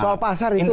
soal pasar itu